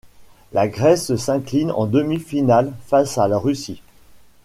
La Grèce s'incline en demi-finale face à la Russie.